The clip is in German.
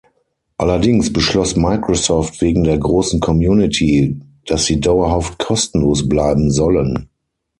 Allerdings beschloss Microsoft wegen der großen "Community", dass sie dauerhaft kostenlos bleiben sollen.